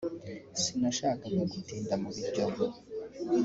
sinashakaga gutinda mu Biryogo